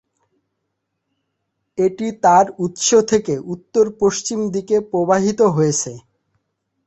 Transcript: এটি তার উৎস থেকে উত্তর-পশ্চিম দিকে প্রবাহিত হয়েছে।